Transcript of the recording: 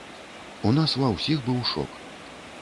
У нас ва ўсіх быў шок.